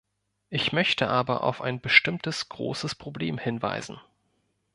Ich möchte aber auf ein bestimmtes großes Problem hinweisen.